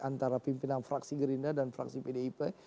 antara pimpinan fraksi gerindra dan fraksi pdip